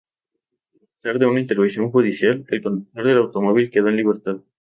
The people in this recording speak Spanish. A pesar de una intervención judicial, el conductor del automóvil, quedó en libertad.